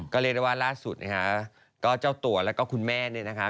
ก็เรียกได้ว่าล่าสุดนะคะก็เจ้าตัวแล้วก็คุณแม่เนี่ยนะคะ